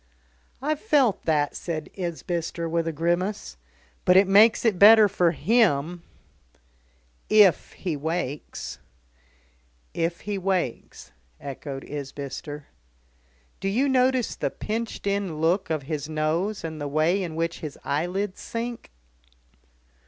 "I've felt that," said Isbister with a grimace. "But it makes it better for him." "If he wakes." "If he wakes," echoed Isbister. "Do you notice the pinched in look of his nose, and the way in which his eyelids sink?"